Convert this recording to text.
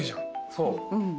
そう。